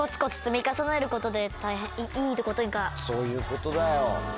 そういうことだよ。